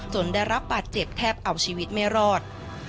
ได้รับบาดเจ็บแทบเอาชีวิตไม่รอด